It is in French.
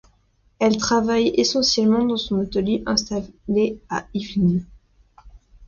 Elle travaille essentiellement dans son atelier installé à Yvelines.